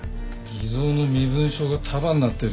偽造の身分証が束になってるよ。